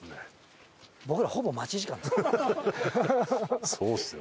僕らほぼ待ち時間ですから。